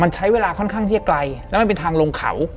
มันใช้เวลาค่อนข้างที่จะไกลแล้วมันเป็นทางลงเขา